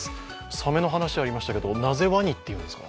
サメの話ありましたけど、なぜわにって言うんですか？